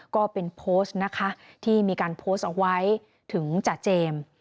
ก็เป็นโพสต์นะคะที่มีการโพสต์เอาไว้ถึงจ่าเจมส์